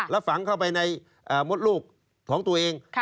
แล้วฝังเข้าไปในมดลูกของตัวเอง